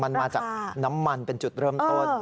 มันมาจากน้ำมันเป็นจุดเริ่มต้น